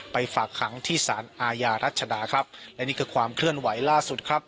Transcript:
ฝากขังที่สารอาญารัชดาครับและนี่คือความเคลื่อนไหวล่าสุดครับ